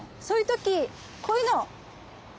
そういう時こういうの。